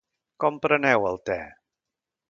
Com preneu el te?